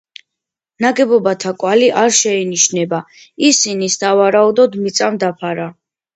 ნაგებობათა კვალი არ შეინიშნება, ისინი, სავარაუდოდ, მიწამ დაფარა.